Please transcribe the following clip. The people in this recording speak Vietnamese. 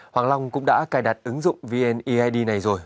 hoàng long cũng đã cài đặt ứng dụng vneid này rồi